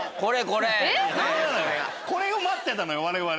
これを待ってたのよ我々。